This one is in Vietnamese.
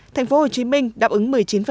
thành phố hồ chí minh đáp ứng một mươi chín